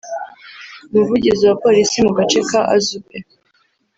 umuvugizi wa polisi mu gace ka Azube